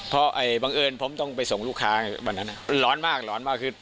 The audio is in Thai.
เพราะบังเอิญผมต้องไปส่งลูกค้าวันนั้นร้อนมากร้อนมากคือ